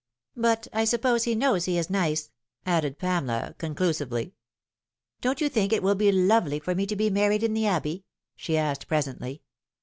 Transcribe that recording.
But I suppose he knows he is nice," added Pamela conclusively. " Don't you think it will be lovely for me to be married in the Abbey ?" she asked presently.